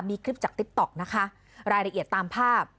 มีคลิปจากติ๊กต๊อกนะคะรายละเอียดตามภาพ